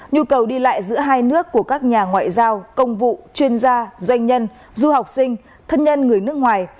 nhu cầu đi lại giữa hai nước của các nhà ngoại giao công vụ chuyên gia doanh nhân du học sinh thân nhân người nước ngoài